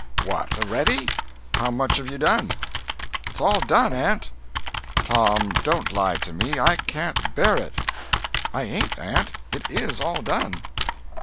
"What, a'ready? How much have you done?" "It's all done, aunt." "Tom, don't lie to me—I can't bear it." "I ain't, aunt; it is all done."